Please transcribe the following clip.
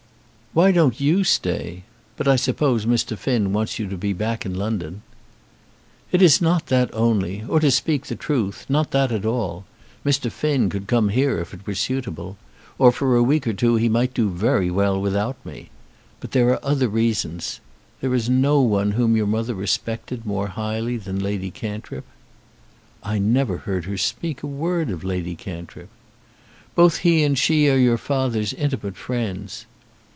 "Why don't you stay? But I suppose Mr. Finn wants you to be back in London." "It is not that only, or, to speak the truth, not that at all. Mr. Finn could come here if it were suitable. Or for a week or two he might do very well without me. But there are other reasons. There is no one whom your mother respected more highly than Lady Cantrip." "I never heard her speak a word of Lady Cantrip." "Both he and she are your father's intimate friends."